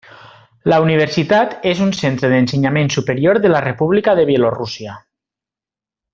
La universitat és un centre d'ensenyament superior de la República de Bielorússia.